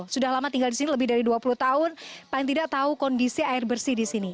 sudah lama tinggal di sini lebih dari dua puluh tahun paling tidak tahu kondisi air bersih di sini